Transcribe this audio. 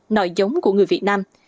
nội giống của người việt nam